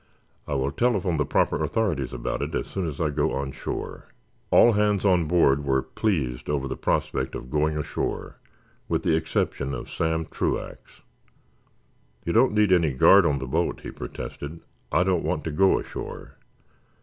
"I will telephone the proper authorities about it as soon as I go on shore." All hands on board were pleased over the prospect of going ashore, with the exception of Sam Truax. "You don't need any guard on the boat," he protested. "I don't want to go ashore.